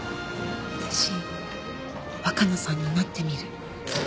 私若菜さんになってみる。